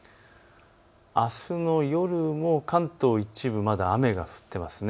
あすの夜も関東一部まだ雨が降っています。